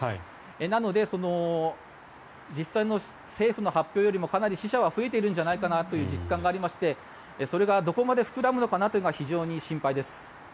なので実際の政府の発表よりもかなり死者は増えているんじゃないかなという実感がありましてそれがどこまで膨らむのかが非常に心配です。